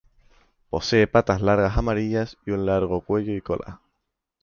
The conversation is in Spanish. Posee patas largas amarillas y un largo cuello y cola.